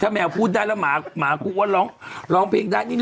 ถ้าแมวพูดได้แล้วหมาว่านักกว่าได้